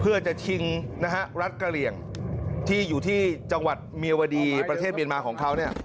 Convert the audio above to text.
เพื่อจะทิ้งรัฐกะเหรียญที่อยู่ที่เมียวดีประเทศเมียนมาของเขาเนี่ย